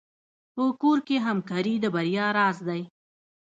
په کور کې همکاري د بریا راز دی.